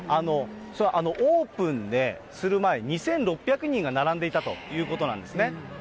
オープンする前、２６００人が並んでいたということなんですね。